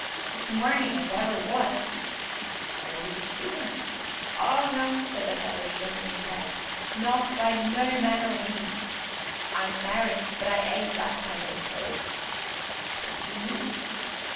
"'S marnin' as ever was." "Where did you see him?" "Oh, no!" said the Pedler, shaking his head, "not by no manner o' means. I'm married, but I ain't that kind of a cove!" "What do you mean?"